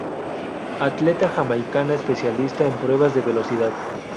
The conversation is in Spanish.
Atleta jamaicana especialista en pruebas de velocidad.